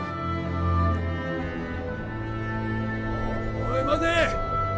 おい待て！